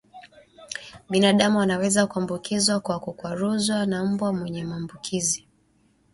Binadamu anaweza kuambukizwa kwa kukwaruzwa na mbwa mwenye maambukizi